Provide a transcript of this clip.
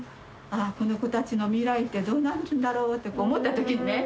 ああこの子たちの未来ってどうなるんだろうって思った時にね